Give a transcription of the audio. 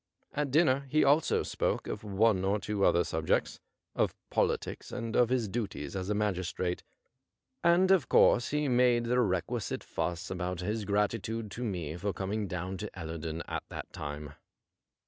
At dinner he also spoke of one or two other subjects^ of politics and of his duties as a magistrate, and of course he made the requisite fuss about his gratitude to nie for coming down to Ellerdon at that time.